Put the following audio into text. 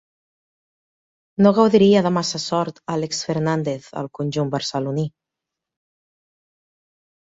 No gaudiria de massa sort Àlex Fernández al conjunt barceloní.